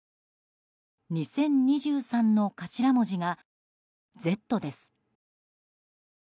２０２３の頭文字が「Ｚ」です。